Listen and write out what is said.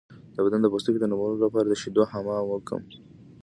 د بدن د پوستکي د نرمولو لپاره د شیدو حمام وکړئ